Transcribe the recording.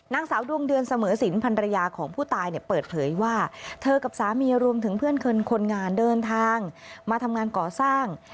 นางสาวดวงเดือนเสมอสินพันรยาของผู้ตายเนี่ยเปิดเผยว่าเธอกับสามีรวมถึงเพื่อนคนงานเดินทางมาทำงานก่อสร้าง